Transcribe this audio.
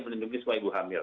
menunjukkan semua ibu hamil